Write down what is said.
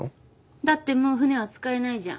だってもう船は使えないじゃん。